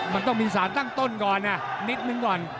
มันต้องมีสารตั้งต้นก่อนนิดนึงก่อน